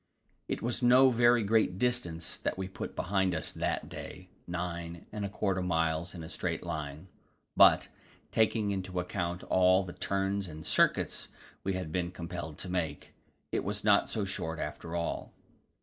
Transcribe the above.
It was no very great distance that we put behind us that day nine and a quarter miles in a straight line. But, taking into account all the turns and circuits we had been compelled to make, it was not so short after all.